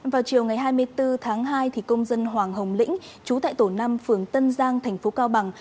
vào chiều ngày hai mươi bốn tháng hai công dân hoàng hồng lĩnh chú tại tổ năm phường tân giang thành phố cao bằng